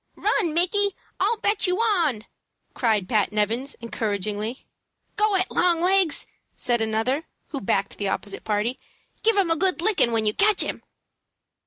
"Run, Micky; I'll bet on you!" cried Pat Nevins, encouragingly. "Go it, long legs!" said another, who backed the opposite party. "Give him a good lickin' when you catch him."